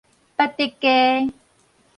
八德街